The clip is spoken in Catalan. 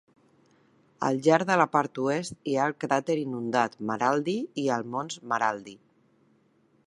Al llarg de la part oest hi ha el cràter inundat Maraldi i el Mons Maraldi.